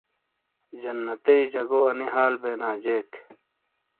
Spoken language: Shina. جنتئے جگو انے ہال بینا جیک